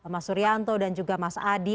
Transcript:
mas suryanto dan juga mas adi